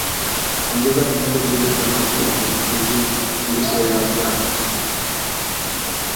ongeza vikombe mbili vya maji kwenye vizi lishe vyako